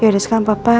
yaudah sekarang papa